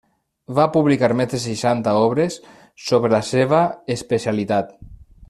Va publicar més de seixanta obres sobre la seva especialitat.